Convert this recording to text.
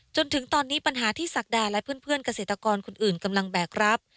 จนถึงตอนนี้ปัญหาที่ศักดาและเพื่อนเกษตรกรคนอื่นกำลังแบกรับ